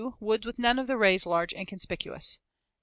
Woods with none of the rays large and conspicuous.